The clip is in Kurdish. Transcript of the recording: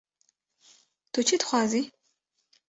- Tu çi dixwazî?